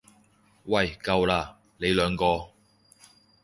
喂夠喇，你兩個！